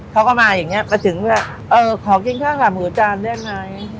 ก็ถึงว่าเออขอกินข้าวขาวหมูจานได้ไง